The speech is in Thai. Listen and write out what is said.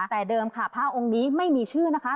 แต่เดิมค่ะพระองค์นี้ไม่มีชื่อนะคะ